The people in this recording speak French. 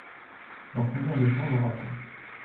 Dans combien de temps l’aura-t-on ?